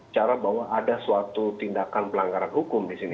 cara bahwa ada suatu tindakan pelanggaran hukum di sini